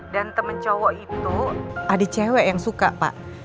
dan teman cowok itu adik cewek yang suka pak